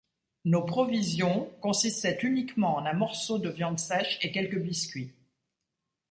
Nos provisions consistaient uniquement en un morceau de viande sèche et quelques biscuits.